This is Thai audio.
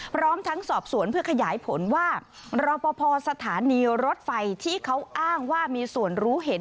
พร้อมทั้งสอบสวนเพื่อขยายผลว่ารอปภสถานีรถไฟที่เขาอ้างว่ามีส่วนรู้เห็น